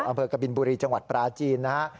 อังเภอกบิลบุรีจังหวัดปราจีนนะฮะ